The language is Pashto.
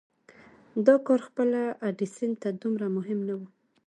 دا کار خپله ايډېسن ته دومره مهم نه و.